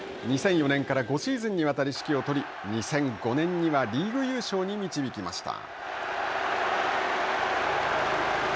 ２００４年から５シーズンにわたり指揮を執り２００５年にはリーグ優勝に導きました。